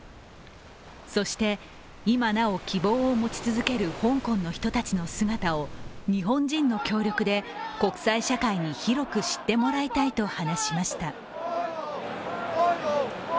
そして、今なお希望を持ち続ける香港の人たちの姿を日本人の協力で国際社会に広く知ってもらいたいと話しました。